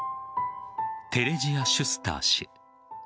テレジア・シュスター氏。